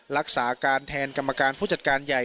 รักษาการแทนกรรมการผู้จัดการใหญ่